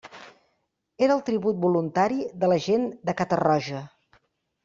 Era el tribut voluntari de la gent de Catarroja.